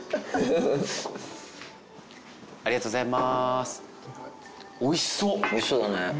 ありがとうございます。